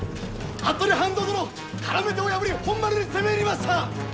服部半蔵殿からめ手を破り本丸に攻め入りました！